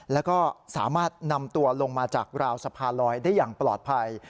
แล้วก็สามารถนำตัวลงมาจากราวสะพานลอยได้อย่างปลอดภัย